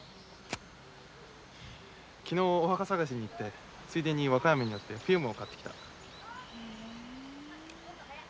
昨日お墓探しに行ってついでに和歌山に寄ってフィルムを買ってきた。